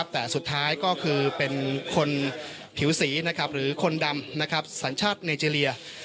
แต่สุดท้ายก็คือเป็นคนผิวสีหรือคนดำสัญชาติไนเจรีย